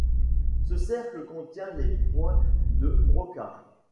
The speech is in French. Ce cercle contient les points de Brocard.